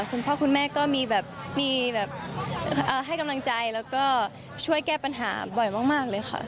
คุณพ่อคุณแม่ก็มีแบบมีแบบให้กำลังใจแล้วก็ช่วยแก้ปัญหาบ่อยมากเลยค่ะ